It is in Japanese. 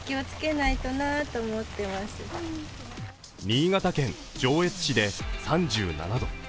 新潟県上越市で３７度。